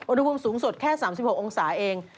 อุณหภูมิสูงสุดแค่๓๖องศาเอง